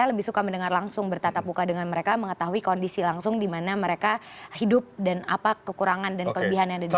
lebih suka mendengar langsung bertatap muka dengan mereka mengetahui kondisi langsung di mana mereka hidup dan apa kekurangan dan kelebihan yang ada di sana